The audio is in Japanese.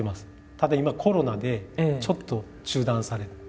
ただ今コロナでちょっと中断されて。